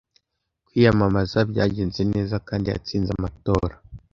Kwiyamamaza byagenze neza kandi yatsinze amatora.